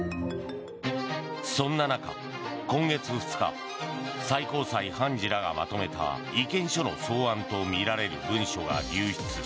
そんな中、今月２日最高裁判事らがまとめた意見書の草案とみられる文書が流出。